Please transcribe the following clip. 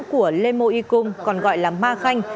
của lê mô y cung còn gọi là ma khanh